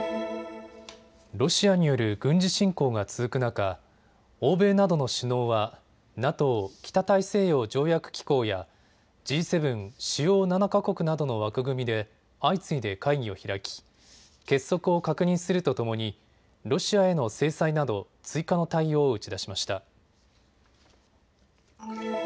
ロシアによる軍事侵攻が続く中、欧米などの首脳はＮＡＴＯ・北大西洋条約機構やＧ７・主要７か国などの枠組みで相次いで会議を開き結束を確認するとともにロシアへの制裁など追加の対応を打ち出しました。